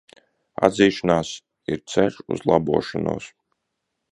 Atzīšanās ir ceļš uz labošanos.